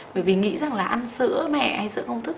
bởi vì nghĩ rằng là ăn sữa mẹ hay sữa công thức